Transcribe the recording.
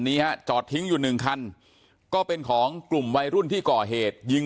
นี้ฮะจอดทิ้งอยู่หนึ่งคันก็เป็นของกลุ่มวัยรุ่นที่ก่อเหตุยิง